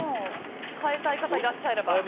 変えたい方いらっしゃれば。